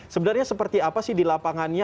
sebenarnya seperti apa sih di lapangannya